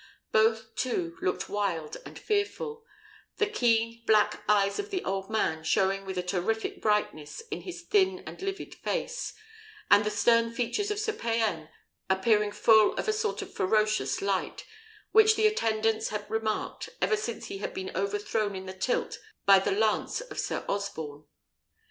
Both, too, looked wild and fearful; the keen black eyes of the old man showing with a terrific brightness in his thin and livid face, and the stern features of Sir Payan appearing full of a sort of ferocious light, which his attendants had remarked, ever since he had been overthrown in the tilt by the lance of Sir Osborne.